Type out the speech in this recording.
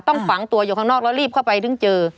ต้องฝังตัวอยู่ข้างนอกแล้วรีบเข้าไปถึงเจอ